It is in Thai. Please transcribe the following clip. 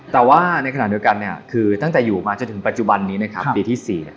แต่ว่าในขณะเดียวกันคือตั้งแต่อยู่มาจนถึงปัจจุบันนี้นะครับปีที่๔